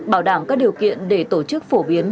bảo đảm các điều kiện để tổ chức phổ biến